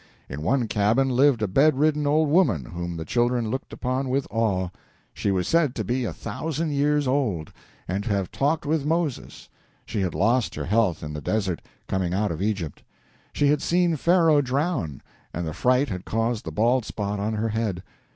In one cabin lived a bedridden old woman whom the children looked upon with awe. She was said to be a thousand years old, and to have talked with Moses. She had lost her health in the desert, coming out of Egypt. She had seen Pharaoh drown, and the fright had caused the bald spot on her head.